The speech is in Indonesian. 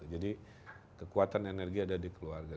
jadi kekuatan energi ada di keluarga